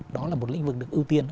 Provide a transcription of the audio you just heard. đó là một lĩnh vực được ưu tiên